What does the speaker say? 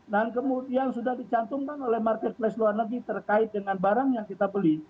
dan kemudian sudah dicantumkan oleh marketplace luar negeri terkait dengan barang yang kita beli